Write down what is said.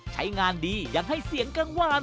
ใช้งานดียังให้เสียงกังวาน